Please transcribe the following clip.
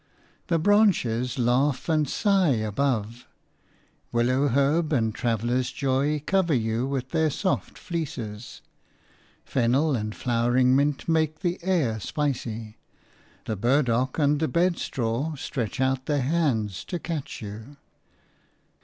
The branches laugh and sigh above; willow herb and traveller's joy cover you with their soft fleeces; fennel and flowering mint make the air spicy; the burdock and the bedstraw stretch out their hands to catch you.